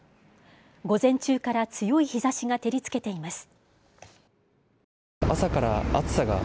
午前中から強い日ざしが照りつけています。